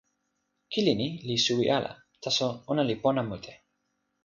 kili ni li suwi ala, taso ona li pona mute.